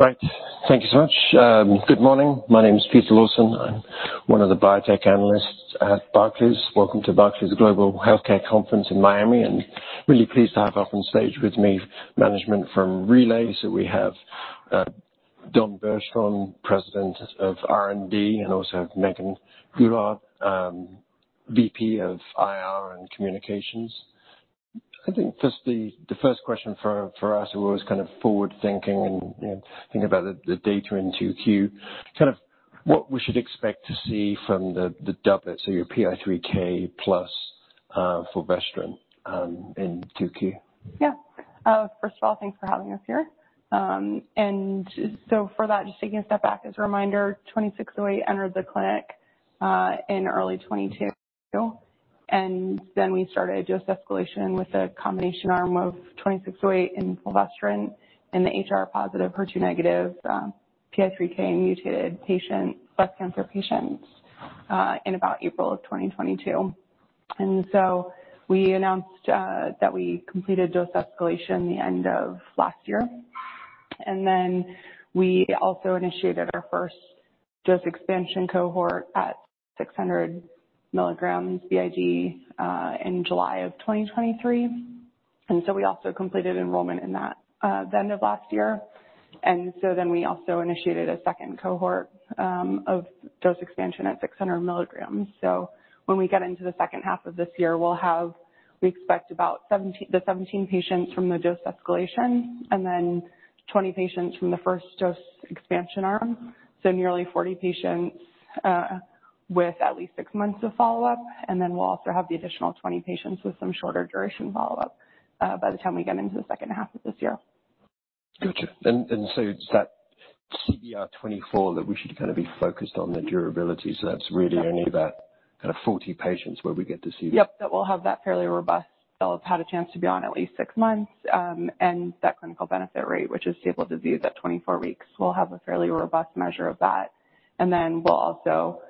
Right. Thank you so much. Good morning. My name's Peter Lawson. I'm one of the biotech analysts at Barclays. Welcome to Barclays Global Healthcare Conference in Miami, and really pleased to have up on stage with me management from Relay. So we have Don Bergstrom, president of R&D, and also Megan Goulart, VP of IR and communications. I think first the first question for us, and we're always kind of forward-thinking and, you know, thinking about the data in 2Q, kind of what we should expect to see from the doublet, so your PI3K plus fulvestrant, in 2Q? Yeah. First of all, thanks for having us here. And so for that, just taking a step back as a reminder, 2608 entered the clinic in early 2022, and then we started just escalation with a combination arm of 2608 and fulvestrant in the HR-positive, HER2-negative, PI3K-mutated patients, breast cancer patients, in about April 2022. And so we announced that we completed dose escalation the end of last year. And then we also initiated our first dose expansion cohort at 600 mg b.i.d. in July 2023. And so we also completed enrollment in that the end of last year. And so then we also initiated a second cohort of dose expansion at 600 mg. So when we get into the second half of this year, we'll have—we expect about 17 patients from the dose escalation and then 20 patients from the first dose expansion arm, so nearly 40 patients, with at least six months of follow-up. Then we'll also have the additional 20 patients with some shorter duration follow-up, by the time we get into the second half of this year. Gotcha. And, and so is that CBR24 that we should kind of be focused on, the durability? So that's really only that kind of 40 patients where we get to see the. Yep. That we'll have that fairly robust. They'll have had a chance to be on at least 6 months, and that clinical benefit rate, which is stable disease at 24 weeks. We'll have a fairly robust measure of that. And then we'll also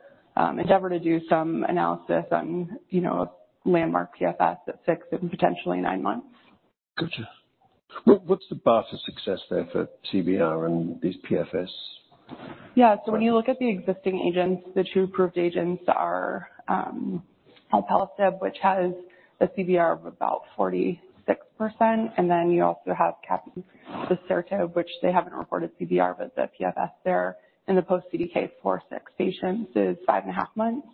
endeavor to do some analysis on, you know, a landmark PFS at 6 and potentially 9 months. Gotcha. What, what's the bar for success there for CBR and these PFS? Yeah. So when you look at the existing agents, the two approved agents are, alpelisib, which has a CBR of about 46%. And then you also have capivasertib and inavolisib, which they haven't reported CBR, but the PFS there in the post-CDK4/6 patients is 5.5 months.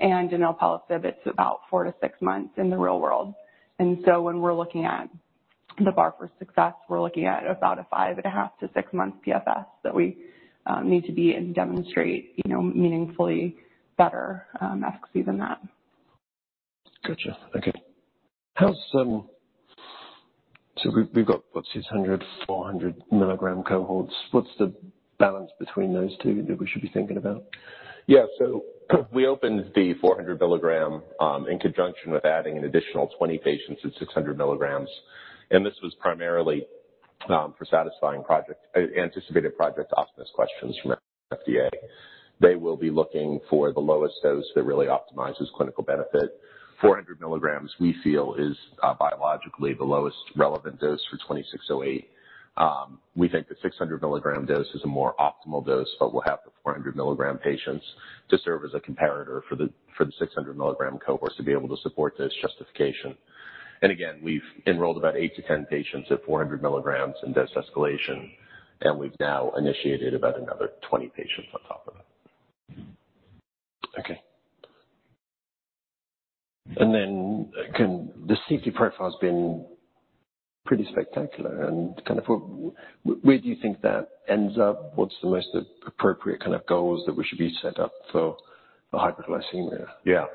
And in alpelisib, it's about 4-6 months in the real world. And so when we're looking at the bar for success, we're looking at about a 5.5-6 months PFS that we need to be and demonstrate, you know, meaningfully better PFS than that. Gotcha. Okay. So we've got what, 600, 400 milligram cohorts. What's the balance between those two that we should be thinking about? Yeah. So we opened the 400 milligram, in conjunction with adding an additional 20 patients at 600 milligrams. And this was primarily for satisfying prospectively anticipated pessimistic questions from FDA. They will be looking for the lowest dose that really optimizes clinical benefit. 400 milligrams, we feel, is biologically the lowest relevant dose for 2608. We think the 600 milligram dose is a more optimal dose, but we'll have the 400 milligram patients to serve as a comparator for the 600 milligram cohorts to be able to support this justification. And again, we've enrolled about 8-10 patients at 400 milligrams in dose escalation, and we've now initiated about another 20 patients on top of that. Okay. And then, the safety profile has been pretty spectacular. And kind of where do you think that ends up? What's the most appropriate kind of goals that we should be set up for hyperglycemia? Yeah.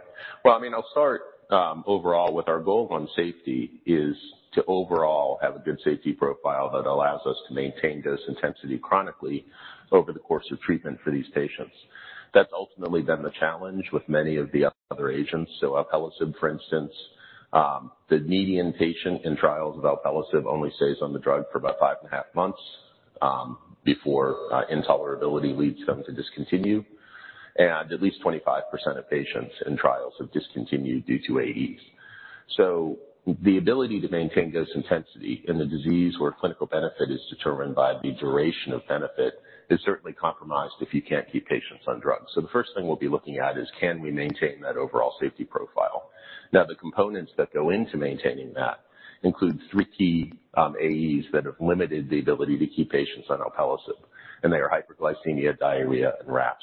Well, I mean, I'll start overall with our goal on safety is to overall have a good safety profile that allows us to maintain dose intensity chronically over the course of treatment for these patients. That's ultimately been the challenge with many of the other agents. So alpelisib, for instance, the median patient in trials of alpelisib only stays on the drug for about 5.5 months before intolerability leads them to discontinue. And at least 25% of patients in trials have discontinued due to AEs. So the ability to maintain dose intensity in the disease where clinical benefit is determined by the duration of benefit is certainly compromised if you can't keep patients on drugs. So the first thing we'll be looking at is, can we maintain that overall safety profile? Now, the components that go into maintaining that include three key AEs that have limited the ability to keep patients on alpelisib, and they are hyperglycemia, diarrhea, and rash.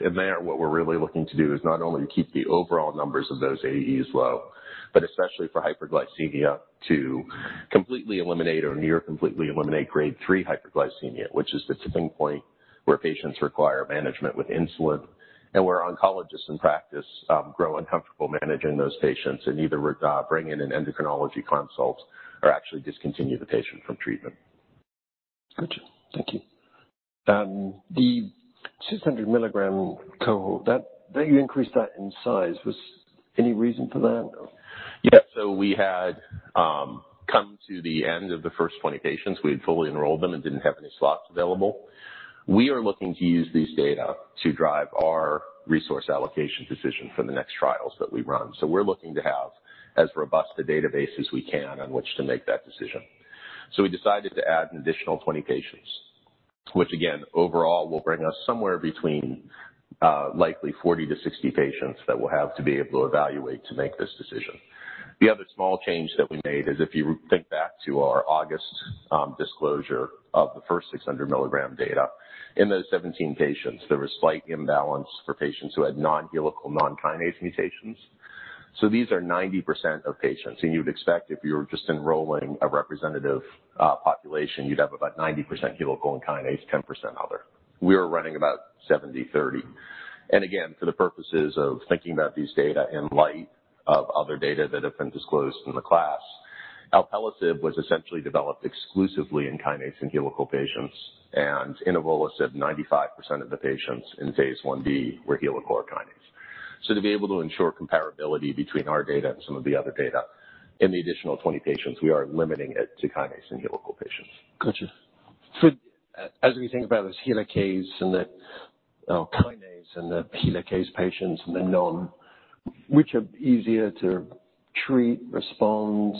And there what we're really looking to do is not only keep the overall numbers of those AEs low, but especially for hyperglycemia, to completely eliminate or near completely eliminate grade 3 hyperglycemia, which is the tipping point where patients require management with insulin and where oncologists in practice grow uncomfortable managing those patients and either bring in an endocrinology consult or actually discontinue the patient from treatment. Gotcha. Thank you. The 600-milligram cohort, that you increased that in size. Was any reason for that? Yeah. So we had come to the end of the first 20 patients. We had fully enrolled them and didn't have any slots available. We are looking to use these data to drive our resource allocation decision for the next trials that we run. So we're looking to have as robust a database as we can on which to make that decision. So we decided to add an additional 20 patients, which again, overall, will bring us somewhere between likely 40-60 patients that we'll have to be able to evaluate to make this decision. The other small change that we made is if you think back to our August disclosure of the first 600 mg data, in those 17 patients, there was slight imbalance for patients who had non-helical, non-kinase mutations. So these are 90% of patients. You would expect if you were just enrolling a representative population, you'd have about 90% helical and kinase, 10% other. We were running about 70/30. Again, for the purposes of thinking about these data in light of other data that have been disclosed in the class, alpelisib was essentially developed exclusively in kinase and helical patients. And in inavolisib, 95% of the patients in phase I-B were helical or kinase. To be able to ensure comparability between our data and some of the other data, in the additional 20 patients, we are limiting it to kinase and helical patients. Gotcha. For as we think about those helical and the, oh, kinase and the helical patients and the non, which are easier to treat, respond,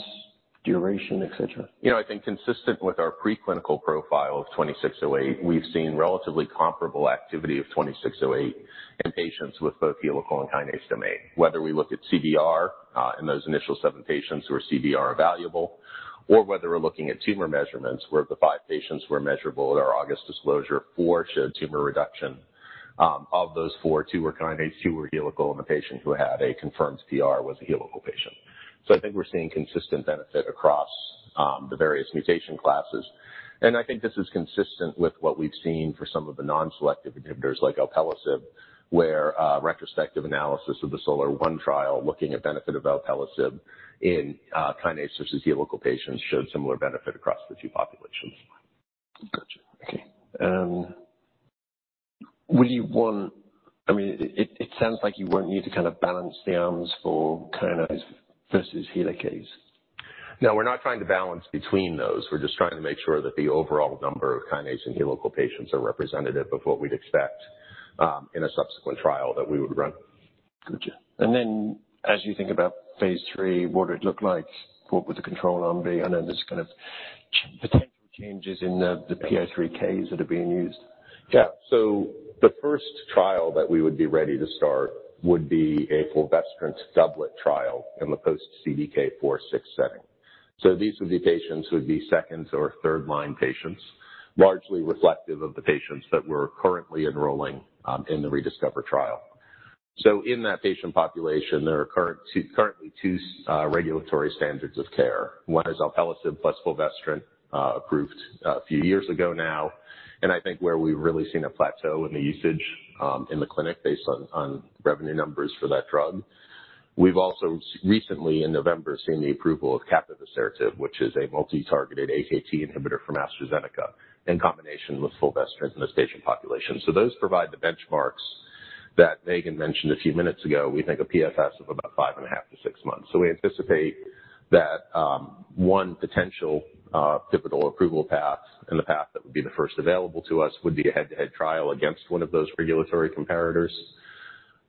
duration, etc.? You know, I think consistent with our preclinical profile of 2608, we've seen relatively comparable activity of 2608 in patients with both helical and kinase domain, whether we look at CBR, in those initial 7 patients who are CBR evaluable, or whether we're looking at tumor measurements where the 5 patients were measurable at our August disclosure, 4 showed tumor reduction. Of those 4, 2 were kinase, 2 were helical, and the patient who had a confirmed PR was a helical patient. So I think we're seeing consistent benefit across, the various mutation classes. And I think this is consistent with what we've seen for some of the nonselective inhibitors like alpelisib, where, retrospective analysis of the SOLAR-1 trial looking at benefit of alpelisib in, kinase versus helical patients showed similar benefit across the two populations. Gotcha. Okay. And will you want i mean, it sounds like you won't need to kind of balance the arms for kinases versus helicases. No, we're not trying to balance between those. We're just trying to make sure that the overall number of kinase and helical patients are representative of what we'd expect, in a subsequent trial that we would run. Gotcha. And then as you think about phase III, what would it look like? What would the control arm be? I know there's kind of such potential changes in the PI3Ks that are being used. Yeah. So the first trial that we would be ready to start would be a fulvestrant doublet trial in the post-CDK4/6 setting. So these would be patients who would be second or third-line patients, largely reflective of the patients that we're currently enrolling, in the ReDiscover trial. So in that patient population, there are currently two regulatory standards of care. One is alpelisib plus fulvestrant, approved a few years ago now. And I think where we've really seen a plateau in the usage, in the clinic based on revenue numbers for that drug, we've also recently, in November, seen the approval of capivasertib, which is a multitargeted AKT inhibitor from AstraZeneca in combination with fulvestrant in this patient population. So those provide the benchmarks that Megan mentioned a few minutes ago. We think a PFS of about 5.5-6 months. We anticipate that one potential pivotal approval path, and the path that would be the first available to us, would be a head-to-head trial against one of those regulatory comparators.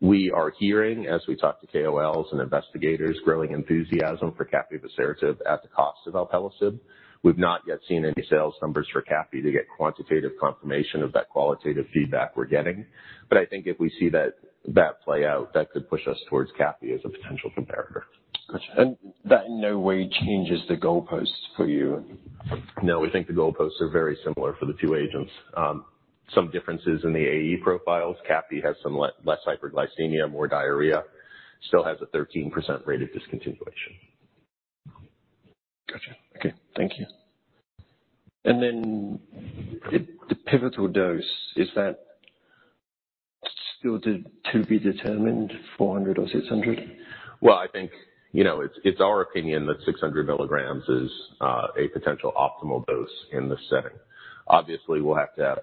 We are hearing, as we talk to KOLs and investigators, growing enthusiasm for capivasertib and inavolisib at the cost of alpelisib. We've not yet seen any sales numbers for capivasertib to get quantitative confirmation of that qualitative feedback we're getting. I think if we see that play out, that could push us towards capivasertib as a potential comparator. Gotcha. And that in no way changes the goalposts for you? No. We think the goalposts are very similar for the two agents. Some differences in the AE profiles. Cap has some less hyperglycemia, more diarrhea, still has a 13% rate of discontinuation. Gotcha. Okay. Thank you. And then in the pivotal dose, is that still to be determined, 400 or 600? Well, I think, you know, it's our opinion that 600 milligrams is a potential optimal dose in this setting. Obviously, we'll have to have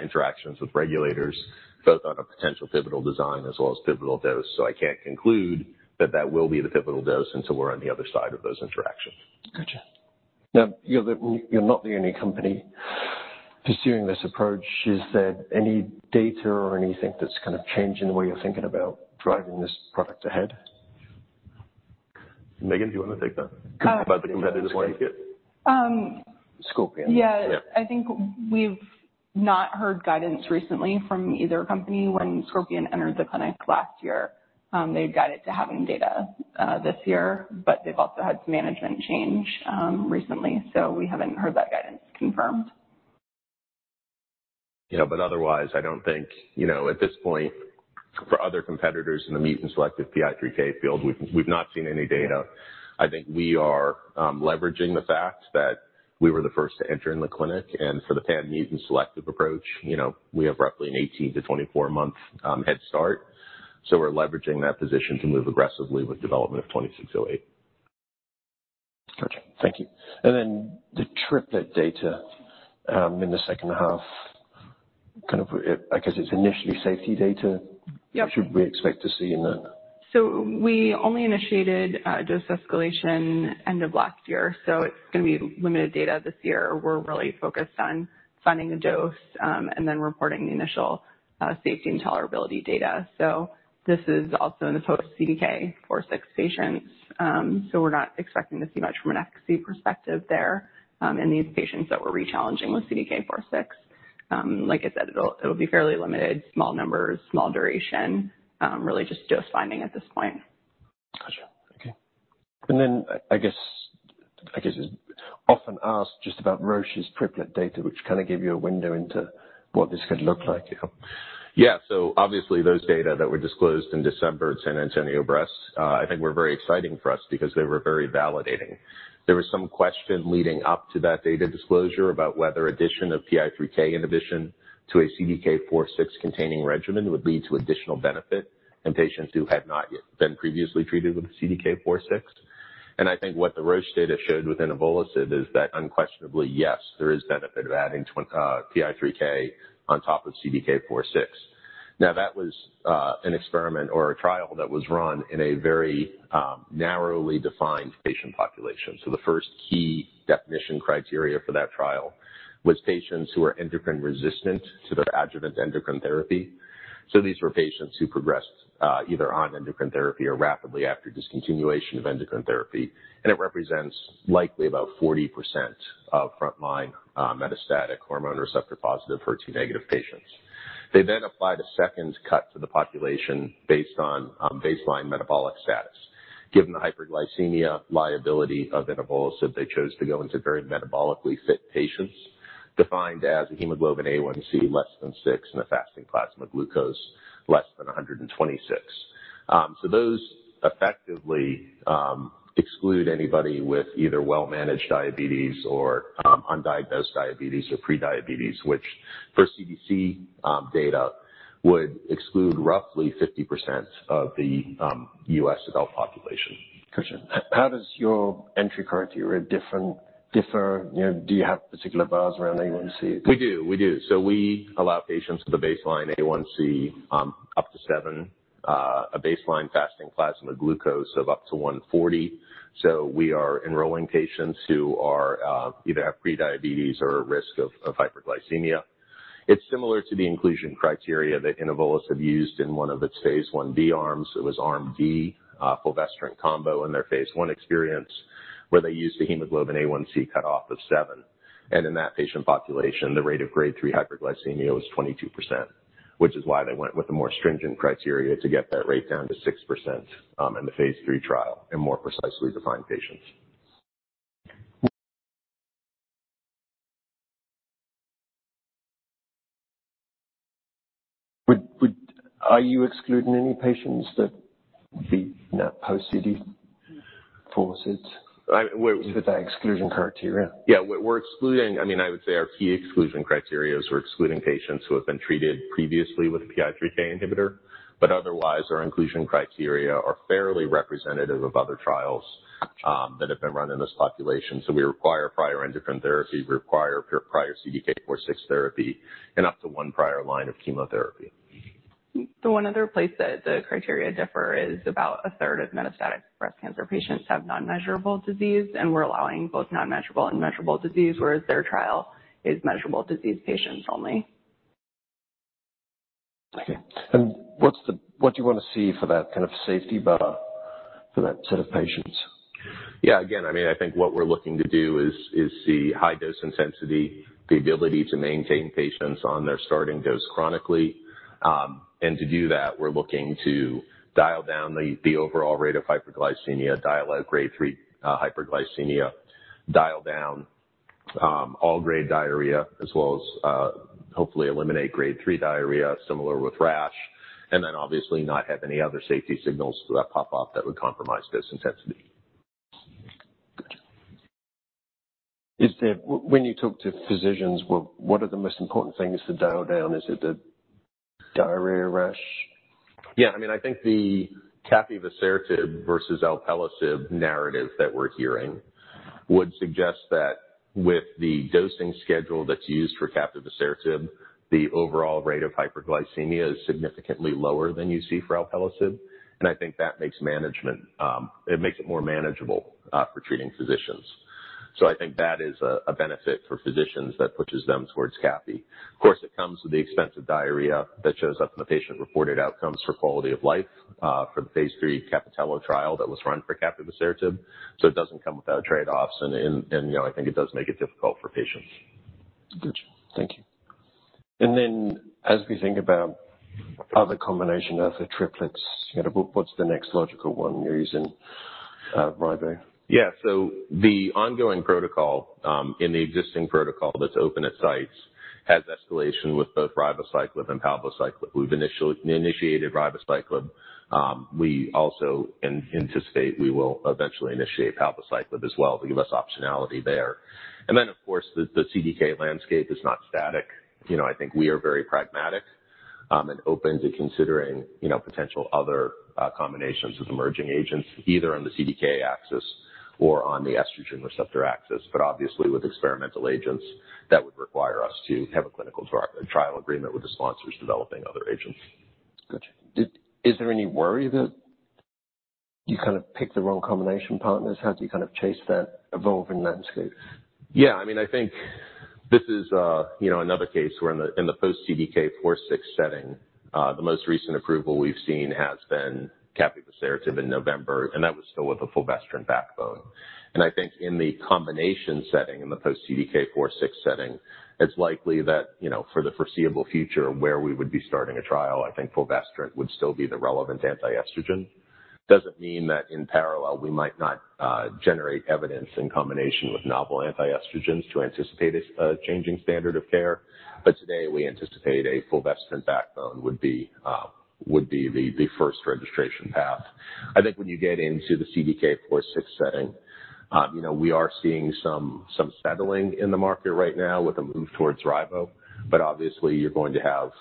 interactions with regulators both on a potential pivotal design as well as pivotal dose. So I can't conclude that that will be the pivotal dose until we're on the other side of those interactions. Gotcha. Now, you're not the only company pursuing this approach. You said any data or anything that's kind of changing the way you're thinking about driving this product ahead? Megan, do you wanna take that? Go ahead. About the competitors we're gonna get. Scorpion. Yeah. Yeah. I think we've not heard guidance recently from either company. When Scorpion entered the clinic last year, they had guided to having data, this year. But they've also had some management change, recently. So we haven't heard that guidance confirmed. Yeah. But otherwise, I don't think you know, at this point, for other competitors in the mutant-selective PI3K field, we've not seen any data. I think we are leveraging the fact that we were the first to enter in the clinic. And for the pan-mutant-selective approach, you know, we have roughly an 18- to 24-month head start. So we're leveraging that position to move aggressively with development of 2608. Gotcha. Thank you. And then the Triplet data, in the second half, kind of I guess it's initially safety data. Yep. What should we expect to see in that? So we only initiated dose escalation end of last year. So it's gonna be limited data this year. We're really focused on finding a dose, and then reporting the initial safety intolerability data. So this is also in the post-CDK4/6 patients. So we're not expecting to see much from an efficacy perspective there, in these patients that we're rechallenging with CDK4/6. Like I said, it'll be fairly limited, small numbers, small duration, really just dose finding at this point. Gotcha. Okay. And then I guess I guess it's often asked just about Roche's Triplet data, which kinda gave you a window into what this could look like, you know? Yeah. So obviously, those data that were disclosed in December at San Antonio Breast, I think were very exciting for us because they were very validating. There was some question leading up to that data disclosure about whether addition of PI3K inhibition to a CDK4/6-containing regimen would lead to additional benefit in patients who had not yet been previously treated with CDK4/6. I think what the Roche data showed within inavolisib is that unquestionably, yes, there is benefit of adding inavolisib on top of CDK4/6. Now, that was an experiment or a trial that was run in a very narrowly defined patient population. So the first key definition criteria for that trial was patients who are endocrine-resistant to their adjuvant endocrine therapy. So these were patients who progressed, either on endocrine therapy or rapidly after discontinuation of endocrine therapy. It represents likely about 40% of frontline, metastatic hormone receptor-positive, HER2-negative patients. They then applied a second cut to the population based on baseline metabolic status. Given the hyperglycemia liability of inavolisib, they chose to go into very metabolically fit patients defined as a hemoglobin A1c less than 6 and a fasting plasma glucose less than 126. So those effectively exclude anybody with either well-managed diabetes or undiagnosed diabetes or prediabetes, which for CDC data would exclude roughly 50% of the U.S. adult population. Gotcha. How does your entry criteria differ, you know? Do you have particular bars, around A1c? We do. We do. So we allow patients with a baseline A1c up to 7, a baseline fasting plasma glucose of up to 140. So we are enrolling patients who are either have prediabetes or are at risk of hyperglycemia. It's similar to the inclusion criteria that inavolisib used in one of its phase 1B arms. It was arm D, fulvestrant combo, in their phase 1 experience where they used a hemoglobin A1c cutoff of 7. And in that patient population, the rate of grade 3 hyperglycemia was 22%, which is why they went with a more stringent criteria to get that rate down to 6%, in the phase III trial in more precisely defined patients. Are you excluding any patients that would be in that post-CDK4/6? I w-we're. With that exclusion criteria? Yeah. We're excluding I mean, I would say our key exclusion criteria is we're excluding patients who have been treated previously with a PI3K inhibitor. But otherwise, our inclusion criteria are fairly representative of other trials that have been run in this population. So we require prior endocrine therapy. We require prior CDK4/6 therapy and up to one prior line of chemotherapy. The one other place that the criteria differ is about a third of metastatic breast cancer patients have non-measurable disease. We're allowing both non-measurable and measurable disease, whereas their trial is measurable disease patients only. Okay. And what do you wanna see for that kind of safety bar for that set of patients? Yeah. Again, I mean, I think what we're looking to do is see high-dose intensity, the ability to maintain patients on their starting dose chronically. And to do that, we're looking to dial down the overall rate of hyperglycemia, dial out grade 3 hyperglycemia, dial down all-grade diarrhea as well as, hopefully, eliminate grade three diarrhea similar with rash, and then obviously not have any other safety signals that pop up that would compromise dose intensity. Gotcha. Is there when you talk to physicians, what are the most important things to dial down? Is it the diarrhea, rash? Yeah. I mean, I think the capivasertib and fulvestrant versus alpelisib narrative that we're hearing would suggest that with the dosing schedule that's used for capivasertib and fulvestrant, the overall rate of hyperglycemia is significantly lower than you see for alpelisib. And I think that makes management, it makes it more manageable, for treating physicians. So I think that is a benefit for physicians that pushes them towards capivasertib. Of course, it comes with the expense of diarrhea that shows up in the patient-reported outcomes for quality of life, for the phase III CAPItello trial that was run for capivasertib and fulvestrant. So it doesn't come without trade-offs. And you know, I think it does make it difficult for patients. Gotcha. Thank you. And then as we think about other combination of the Triplets, you know, what's the next logical one? You're using, ribo. Yeah. So the ongoing protocol, in the existing protocol that's open at sites has escalation with both ribociclib and palbociclib. We've initially initiated ribociclib. We also anticipate we will eventually initiate palbociclib as well to give us optionality there. And then, of course, the CDK landscape is not static. You know, I think we are very pragmatic, and open to considering, you know, potential other combinations of emerging agents either on the CDK axis or on the estrogen receptor axis. But obviously, with experimental agents, that would require us to have a clinical trial agreement with the sponsors developing other agents. Gotcha. Don, is there any worry that you kind of pick the wrong combination partners? How do you kind of chase that evolving landscape? Yeah. I mean, I think this is, you know, another case. We're in the post-CDK4/6 setting. The most recent approval we've seen has been capivasertib in November. That was still with a fulvestrant backbone. And I think in the combination setting, in the post-CDK4/6 setting, it's likely that, you know, for the foreseeable future where we would be starting a trial, I think fulvestrant would still be the relevant antiestrogen. Doesn't mean that in parallel, we might not generate evidence in combination with novel antiestrogens to anticipate a changing standard of care. Today, we anticipate a fulvestrant backbone would be the first registration path. I think when you get into the CDK4/6 setting, you know, we are seeing some settling in the market right now with a move towards ribo. But obviously, you're going to have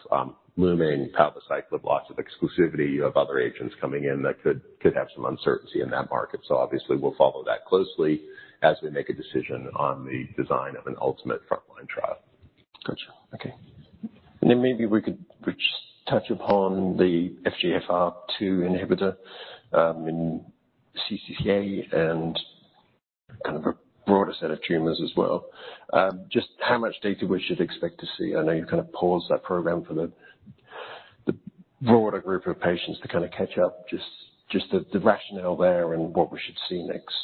looming palbociclib, lots of exclusivity. You have other agents coming in that could have some uncertainty in that market. So obviously, we'll follow that closely as we make a decision on the design of an ultimate frontline trial. Gotcha. Okay. And then maybe we could just touch upon the FGFR2 inhibitor, in CCA and kind of a broader set of tumors as well. Just how much data we should expect to see? I know you kind of paused that program for the broader group of patients to kinda catch up, just the rationale there and what we should see next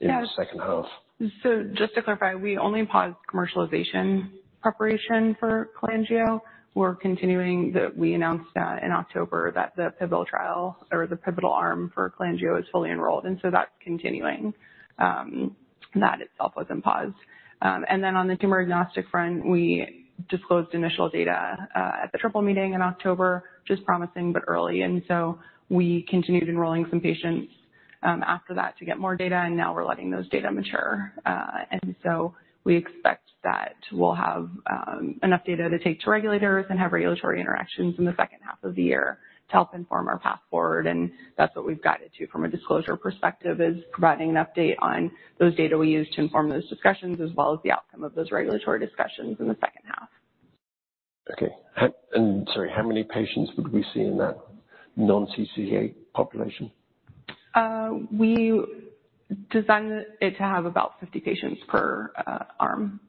in the second half. Yeah. So just to clarify, we only paused commercialization preparation for cholangio. We're continuing. We announced, in October, that the pivotal trial or the pivotal arm for cholangio is fully enrolled. And so that's continuing. That itself wasn't paused. And then on the tumor-agnostic front, we disclosed initial data at the Triple Meeting in October, just promising but early. And so we continued enrolling some patients after that to get more data. And now, we're letting those data mature. And so we expect that we'll have enough data to take to regulators and have regulatory interactions in the second half of the year to help inform our path forward. And that's what we've guided to from a disclosure perspective, is providing an update on those data we use to inform those discussions as well as the outcome of those regulatory discussions in the second half. Okay. Ha and sorry. How many patients would we see in that non-CCA population? We designed it to have about 50 patients per arm.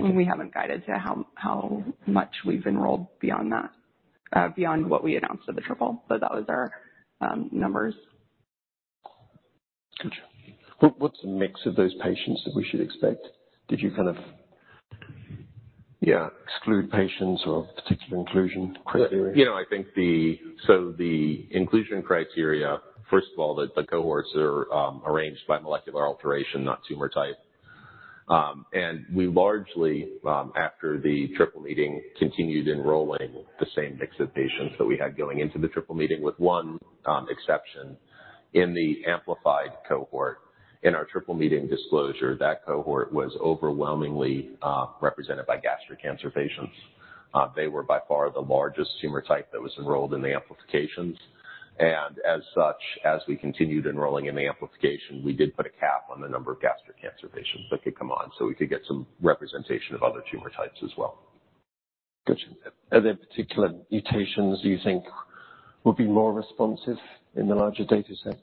Okay. We haven't guided to how, how much we've enrolled beyond that, beyond what we announced at the Triple. But that was our numbers. Gotcha. What's the mix of those patients that we should expect? Did you kind of, yeah, exclude patients or particular inclusion criteria? Yeah. You know, I think, so the inclusion criteria, first of all, that the cohorts are arranged by molecular alteration, not tumor type. And we largely, after the Triple Meeting, continued enrolling the same mix of patients that we had going into the Triple Meeting with one exception in the amplified cohort. In our Triple Meeting disclosure, that cohort was overwhelmingly represented by gastric cancer patients. They were by far the largest tumor type that was enrolled in the amplifications. And as such, as we continued enrolling in the amplification, we did put a cap on the number of gastric cancer patients that could come on so we could get some representation of other tumor types as well. Gotcha. Are there particular mutations you think would be more responsive in the larger data set?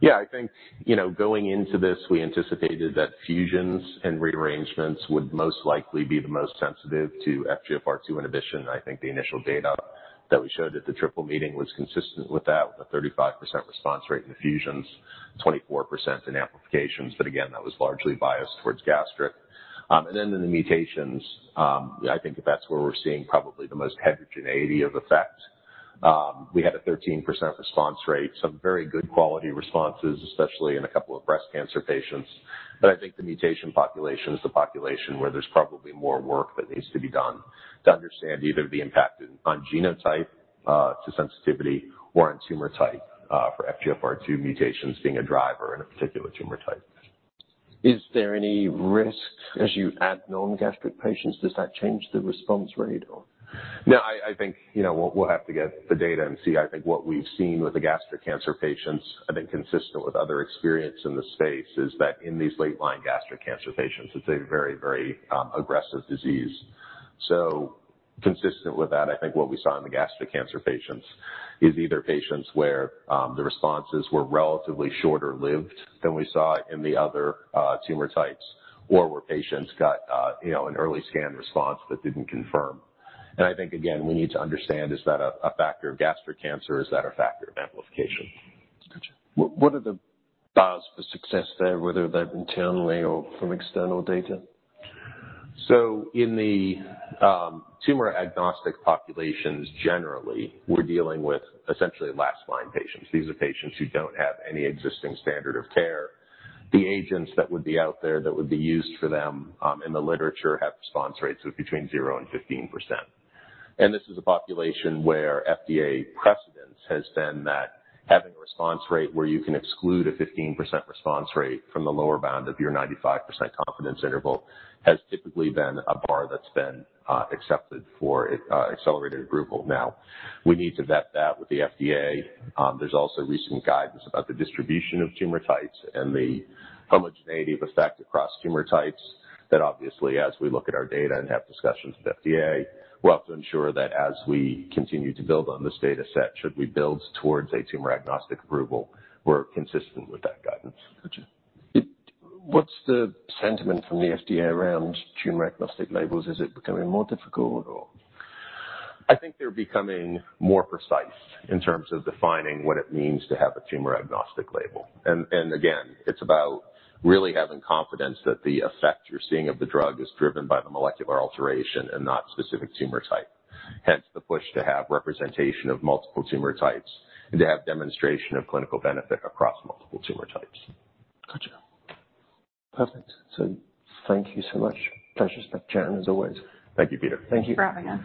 Yeah. I think, you know, going into this, we anticipated that fusions and rearrangements would most likely be the most sensitive to FGFR2 inhibition. I think the initial data that we showed at the Triple Meeting was consistent with that, with a 35% response rate in the fusions, 24% in amplifications. But again, that was largely biased towards gastric. And then in the mutations, I think that that's where we're seeing probably the most heterogeneity of effect. We had a 13% response rate, some very good quality responses, especially in a couple of breast cancer patients. But I think the mutation population is the population where there's probably more work that needs to be done to understand either the impact on, on genotype, to sensitivity or on tumor type, for FGFR2 mutations being a driver in a particular tumor type. Is there any risk as you add known gastric patients? Does that change the response rate, or? No. I think, you know, we'll have to get the data and see. I think what we've seen with the gastric cancer patients, I think consistent with other experience in the space, is that in these late-line gastric cancer patients, it's a very, very aggressive disease. So consistent with that, I think what we saw in the gastric cancer patients is either patients where the responses were relatively shorter-lived than we saw in the other tumor types or where patients got, you know, an early scan response that didn't confirm. And I think, again, we need to understand, is that a factor of gastric cancer, or is that a factor of amplification? Gotcha. What are the bars for success there, whether they're internally or from external data? So in the tumor-agnostic populations generally, we're dealing with essentially last-line patients. These are patients who don't have any existing standard of care. The agents that would be out there that would be used for them, in the literature have response rates of between 0% and 15%. And this is a population where FDA precedence has been that having a response rate where you can exclude a 15% response rate from the lower bound of your 95% confidence interval has typically been a bar that's been accepted for a accelerated approval. Now, we need to vet that with the FDA. There's also recent guidance about the distribution of tumor types and the homogeneity of effect across tumor types that obviously, as we look at our data and have discussions with FDA, we'll have to ensure that as we continue to build on this data set, should we build towards a tumor-agnostic approval, we're consistent with that guidance. Gotcha. Don, what's the sentiment from the FDA around tumor-agnostic labels? Is it becoming more difficult, or? I think they're becoming more precise in terms of defining what it means to have a tumor-agnostic label. And again, it's about really having confidence that the effect you're seeing of the drug is driven by the molecular alteration and not specific tumor type. Hence, the push to have representation of multiple tumor types and to have demonstration of clinical benefit across multiple tumor types. Gotcha. Perfect. So thank you so much. Pleasure to speak, Don, as always. Thank you, Peter. Thank you. Bravo.